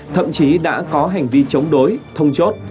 thậm chí đã có hành vi chống đối thông chốt